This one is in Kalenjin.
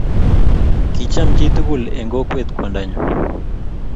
Kicham chitugul eng kokwet kwandanyu.